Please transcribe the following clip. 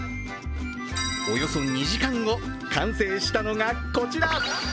およそ２時間後、完成したのがこちら。